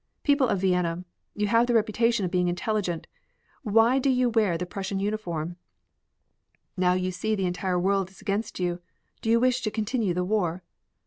People of Vienna, you have the reputation of being intelligent, why then do you wear the Prussian uniform? Now you see the entire world is against you, do you wish to continue the war?